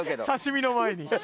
刺身の前に。